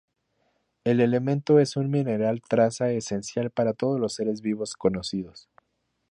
El elemento es un mineral traza esencial para todos los seres vivos conocidos.